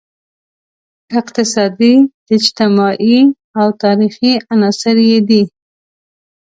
اقتصادي، اجتماعي او تاریخي عناصر یې دي.